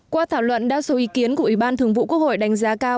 qua thảo luận đa số ý kiến của ủy ban thường vụ quốc hội đánh giá cao